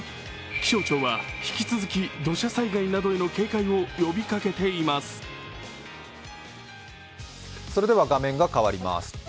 気象庁は引き続き土砂災害への警戒を呼びかけています。